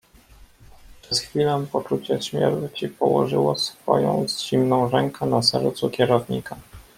"Przez chwilę poczucie śmierci położyło swoją zimną rękę na sercu kierownika."